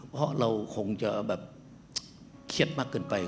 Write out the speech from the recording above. เพราะเราคงจะแบบเครียดมากเกินไป